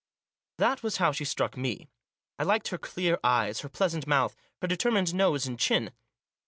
That was how she struck me. I liked her clear eyes, her pleasant mouth, her determined nose and chin.